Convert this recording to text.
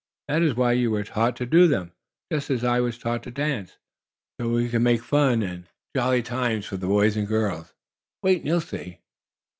"That is why you were taught to do them, just as I was taught to dance so we can make fun and jolly times for the boys and girls. Wait, and you'll see."